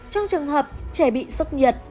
trong trường hợp trẻ bị sốc nhật